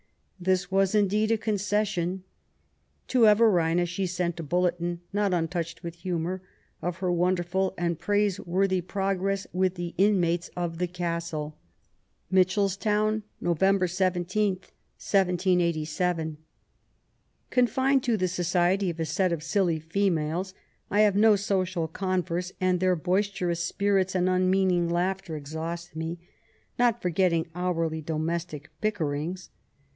This was^ indeed> a concession. To Everina she sent a bulletin — not untouched with humour — of her wonderful and praise worthy progress with the inmates of the castle :— Mitchelstown, Nov. 17, 1787. ... Confined to the society of a set of silly females, I have no social converse, and their hoisterons spirits and unmeaning langhter exhaust me, not forgetting hourly domestic bickerings.